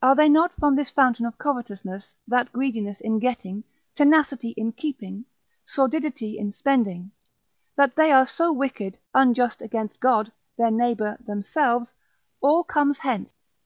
are they not from this fountain of covetousness, that greediness in getting, tenacity in keeping, sordidity in spending; that they are so wicked, unjust against God, their neighbour, themselves; all comes hence.